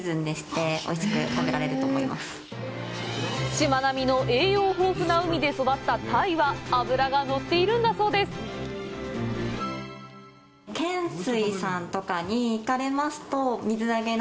しまなみの栄養豊富な海で育った鯛は、脂が乗っているんだそうです。